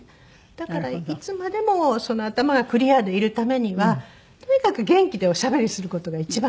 だからいつまでも頭がクリアでいるためにはとにかく元気でおしゃべりする事が一番って。